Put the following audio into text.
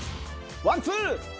ワンツー！